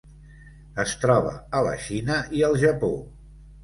Es troba a la Xina i el Japó.